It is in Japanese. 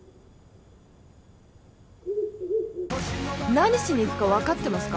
何しに行くかわかってますか？